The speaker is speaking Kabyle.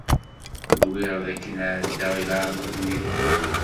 Nwiɣ dakken ɛeddaɣ i leɛmeṛ-nni.